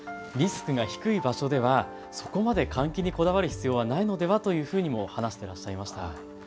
リスクが低い場所ではそこまで換気にこだわる必要はないのではということも話していました。